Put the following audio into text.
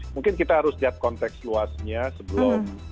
mungkin kita harus lihat konteks luasnya sebelum